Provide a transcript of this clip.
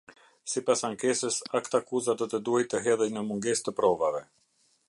Sipas ankesës, aktakuza do të duhej të hedhej në mungesë të provave.